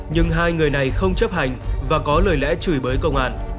nhưng hai người này không chấp hành và có lời lẽ chửi bới công an